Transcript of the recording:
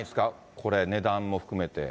これ、値段も含めて。